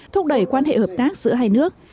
thúc đẩy quan hệ hợp tác giữa hai nước